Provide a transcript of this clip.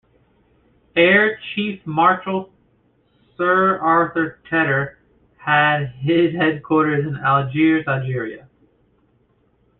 Air Chief Marshal Sir Arthur Tedder had his headquarters in Algiers, Algeria.